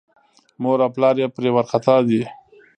مور او پلار یې پرې وارخطا دي.